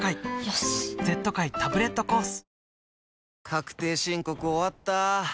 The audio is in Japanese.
確定申告終わった。